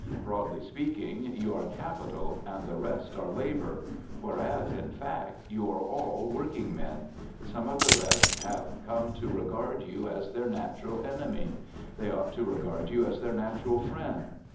Broadly speaking, you are capital and the rest are labor. Whereas, in fact, you are all working men. Some of the rest have come to regard you as their natural enemy. They ought to regard you as their natural friend.